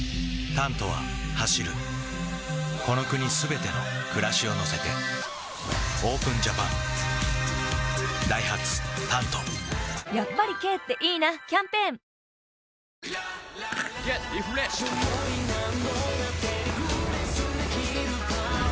「タント」は走るこの国すべての暮らしを乗せてＯＰＥＮＪＡＰＡＮダイハツ「タント」やっぱり軽っていいなキャンペーンＧＥＴＲＥＦＲＥＳＨＥＤ！